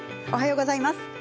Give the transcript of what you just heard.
おはようございます。